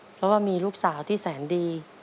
เพราะว่ามีลูกสาวที่แสนดี